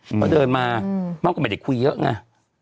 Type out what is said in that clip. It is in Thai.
เพราะเดินมามากกว่าไม่ได้คุยเยอะไง